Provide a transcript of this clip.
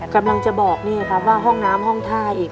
กำลังจะบอกนี่ครับว่าห้องน้ำห้องท่าอีก